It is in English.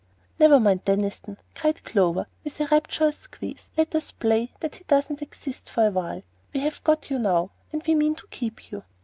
"Never mind Deniston," cried Clover, with a rapturous squeeze. "Let us play that he doesn't exist, for a little while. We have got you now, and we mean to keep you."